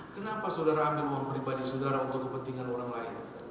kenapa saudara ambil uang pribadi saudara untuk kepentingan orang lain